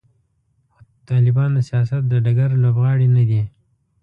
خو طالبان د سیاست د ډګر لوبغاړي نه دي.